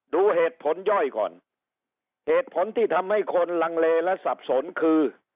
ดูเหตุผลย่อยก่อนเหตุผลที่ทำให้คนลังเลและสับสนคือ